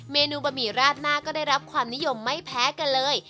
เมนูบะหมี่ราดหน้าก็ได้รับความนิยมไม่แพ้กันเลย